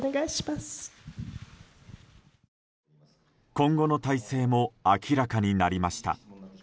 今後の体制も明らかになりました。